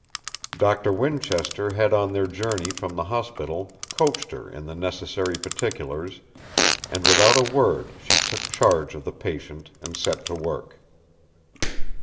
Doctor Winchester had on their journey from the hospital, coached her in the necessary particulars, and without a word she took charge of the patient and set to work.